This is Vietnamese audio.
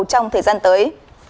trong thời gian tới